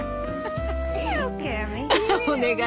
お願い